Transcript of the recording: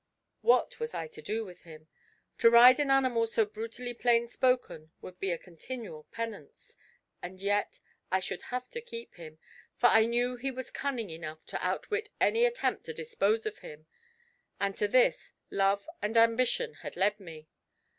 What was I to do with him? To ride an animal so brutally plainspoken would be a continual penance; and yet, I should have to keep him, for I knew he was cunning enough to outwit any attempt to dispose of him. And to this, Love and Ambition had led me!